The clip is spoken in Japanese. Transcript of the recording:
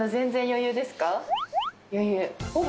余裕？